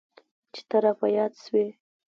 چي ته را په ياد سوې.